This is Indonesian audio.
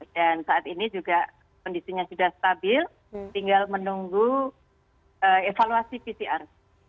dan saat ini juga kondisinya sudah stabil tinggal menunggu evaluasi pcr